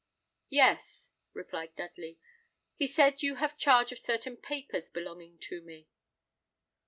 "Yes," replied Dudley; "he said you have charge of certain papers belonging to me."